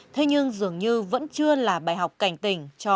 thế nhưng dường như vẫn chưa là bài học cảnh tỉnh